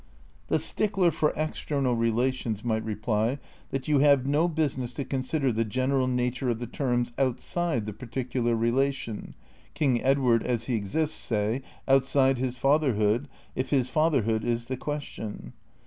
"' The stickler for external relations might reply that you have no business to consider the general nature of the terms outside the particular relation, King Ed ward as he exists, say, outside his fatherhood, if his fatherhood is the question.